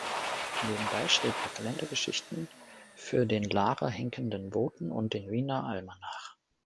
Nebenbei schrieb er Kalendergeschichten für den "Lahrer Hinkenden Boten" und den "Wiener Almanach".